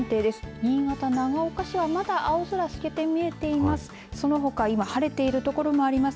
新潟、長岡市はまだ青空が透けて見えています。